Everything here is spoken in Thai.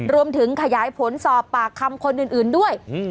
รวมถึงขยายผลสอบปากคำคนอื่นด้วย